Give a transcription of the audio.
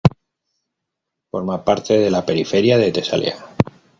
Forma parte de la periferia de Tesalia.